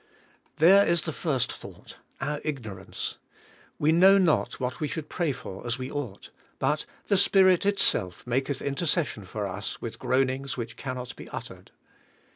There is the first thought: our ignorance. "We know not what we should pray for as we ought;" 160 THE SO UR CE OF PO WER IN PR A YER but '4he Spirit itself maketh intercession for us with groanings which cannot be uttered."